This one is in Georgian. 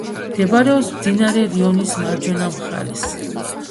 მდებარეობს მდინარე რიონის მარჯვენა მხარეს.